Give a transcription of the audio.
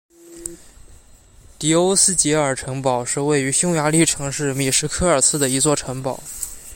迪欧斯捷尔城堡是位于匈牙利城市米什科尔茨的一座城堡。